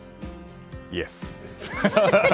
イエス。